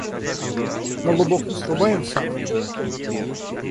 На лубок не срубаем сад?